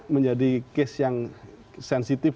menjadi case yang sensitif